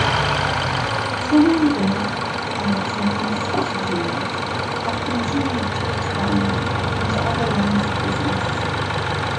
Sonangol and its many subsidiaries have continued to expand into other lines of business.